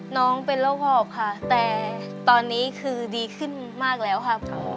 น้องเป็นโรคหอบค่ะแต่ตอนนี้คือดีขึ้นมากแล้วครับ